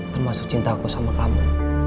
termasuk cinta aku sama kamu